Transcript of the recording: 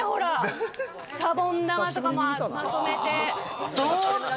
シャボン玉とかもまとめて。